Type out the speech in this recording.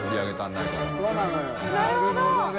なるほどね。